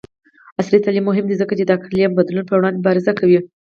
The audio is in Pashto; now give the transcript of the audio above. عصري تعلیم مهم دی ځکه چې د اقلیم بدلون پر وړاندې مبارزه کوي.